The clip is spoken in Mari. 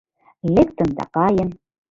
Лектын да каен...